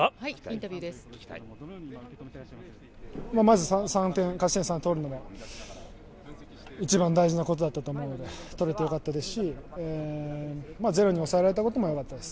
まず勝ち点３取るのが一番大事なことだったと思うので取れて良かったですしゼロに抑えられたこともよかったです。